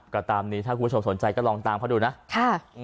ก็ตามนี้ถ้าคุณผู้ชมสนใจก็ลองตามเขาดูนะค่ะ